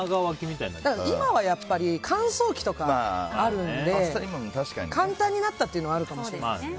今は乾燥機とかあるんで簡単になったっていうのはあるかもしれないですね。